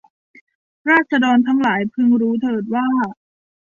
ราษฎรทั้งหลายพึงรู้เถิดว่า